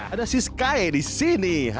ada siskae di sini